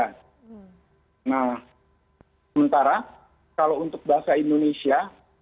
nah sementara kalau untuk bahasa indonesia